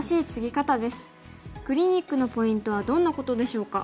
クリニックのポイントはどんなことでしょうか？